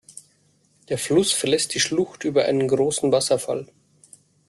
Der Fluss verlässt die Schlucht über einen großen Wasserfall.